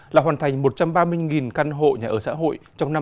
là hoàn thành một trăm ba mươi căn hộ nhà ở xã hội trong năm hai nghìn hai mươi